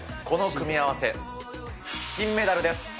この組み合わせ、金メダルです。